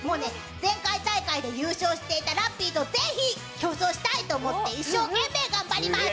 前回大会で優勝していたラッピーとぜひ競争したいと思って一生懸命頑張ります。